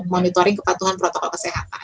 monitoring kepatuhan protokol kesehatan